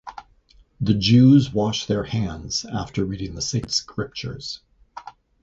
The Jews wash their hands after reading the sacred scriptures.